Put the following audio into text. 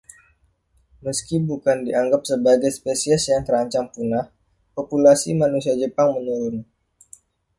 Meski bukan dianggap sebagai spesies yang terancam punah, populasi manusia Jepang menurun.